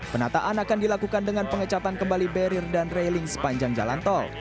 penataan akan dilakukan dengan pengecatan kembali barrier dan railing sepanjang jalan tol